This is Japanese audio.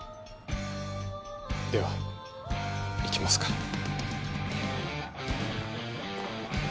では行きますか。